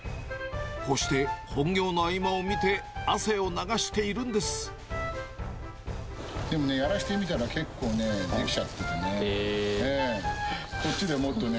こうして本業の合間を見て、でもね、やらせてみたら結構ね、できちゃっててね。